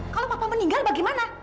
kalau papa meninggal bagaimana